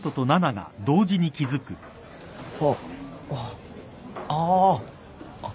あっ！あっ。